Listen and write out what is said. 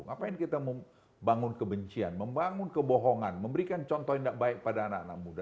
ngapain kita membangun kebencian membangun kebohongan memberikan contoh yang tidak baik pada anak anak muda